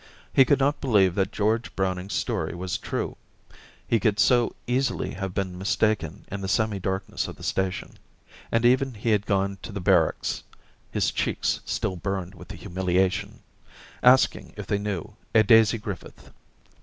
He could not believe that George Browning^s story was true, he could so easily have been mistaken in the semi darkness of the station. And even he had gone to the barracks — his cheeks still burned with the humiliation — asking if they knew a Daisy Griffith.